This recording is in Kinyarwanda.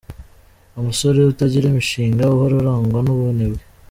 Umusore utagira imishinga, uhora arangwa n’ubunebwe.